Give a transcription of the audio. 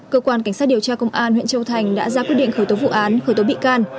cơ quan cảnh sát điều tra công an huyện châu thành đã ra quyết định khởi tố vụ án khởi tố bị can